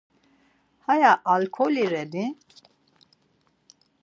Aya alǩoli reni?